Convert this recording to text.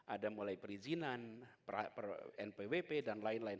ada mulai perizinan npwp dan lain lain